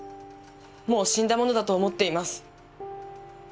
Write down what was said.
もう死んだものだと思っています。